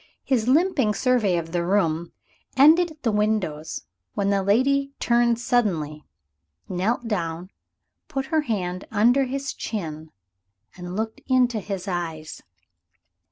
His limping survey of the room ended at the windows, when the lady turned suddenly, knelt down, put her hand under his chin and looked into his eyes.